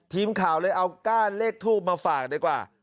ทีมข่าวเลยเอาก้านเลขทูบมาฝากดีกว่า